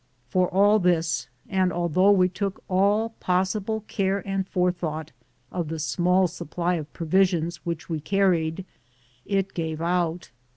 For all this, and although we took all possible care and forethought of the small supply of provisions which we carried, it gave out.